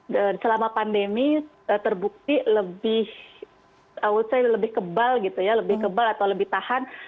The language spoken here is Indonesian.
dan selama pandemi terbukti lebih awal saya lebih kebal gitu ya lebih kebal atau lebih tahan